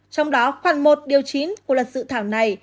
trong đó khoảng một điều chín của luật dự thảo này